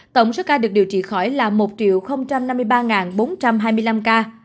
tổng số ca được điều trị khỏi là một năm mươi ba bốn trăm hai mươi năm ca